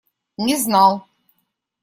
Не знал.